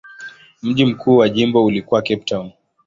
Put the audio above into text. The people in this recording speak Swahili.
Mji mkuu wa jimbo ulikuwa Cape Town.